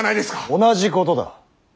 同じことだ。